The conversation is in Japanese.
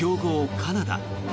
カナダ。